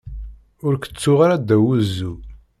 Ur k-tuɣ ara ddaw uzzu.